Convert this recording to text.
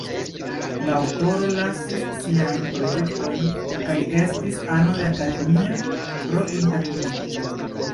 La aŭtoro lasis siajn projektojn kaj estis ano de Academia pro Interlingua.